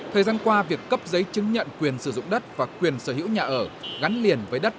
thời gian qua việc cấp giấy chứng nhận quyền sử dụng đất và quyền sở hữu nhà ở gắn liền với đất